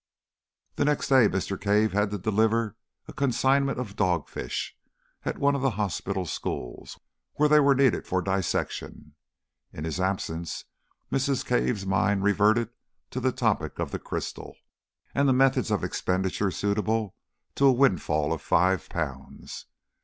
The next day Mr. Cave had to deliver a consignment of dog fish at one of the hospital schools, where they were needed for dissection. In his absence Mrs. Cave's mind reverted to the topic of the crystal, and the methods of expenditure suitable to a windfall of five pounds.